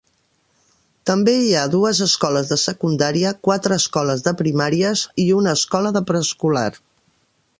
També hi ha dues escoles de secundària, quatre escoles de primàries i una escola de preescolar.